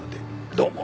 どうも。